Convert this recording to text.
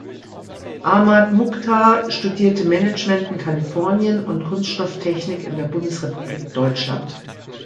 Ahmad Mukhtar studierte Management in Kalifornien und Kunststofftechnik in der Bundesrepublik Deutschland.